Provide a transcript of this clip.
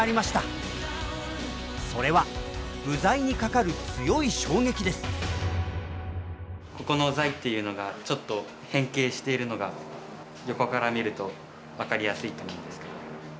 それは部材にかかるここの材っていうのがちょっと変形しているのが横から見ると分かりやすいと思うんですけど。